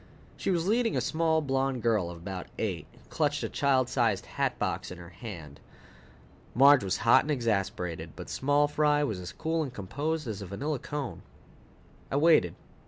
She was leading a small blonde girl of about eight, who clutched a child size hatbox in her hand. Marge was hot and exasperated, but small fry was as cool and composed as a vanilla cone. I waited.